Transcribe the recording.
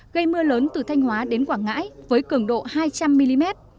gây mưa lớn từ thanh hóa đến quảng ngãi với cường độ hai trăm linh mm